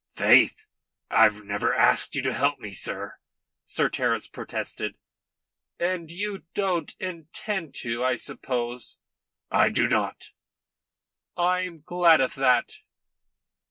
"Faith, I've never asked you to help me, sir," Sir Terence protested. "And you don't intend to, I suppose?" "I do not." "I am glad of that."